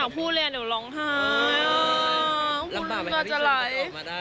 พูดลงคร้ายร่ำบานที่อยากจะหาย